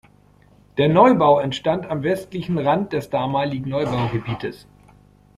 Der Neubau entstand am westlichen Rand des damaligen Neubaugebietes.